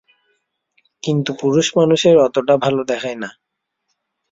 কিন্তু পুরুষ মানুষের অতটা ভালো দেখায় না।